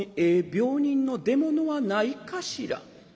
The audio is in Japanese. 病人の出物はないかしら」。